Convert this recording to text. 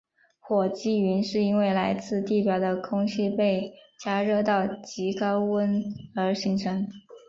火积云是因为来自地表的空气被加热到极高温而形成。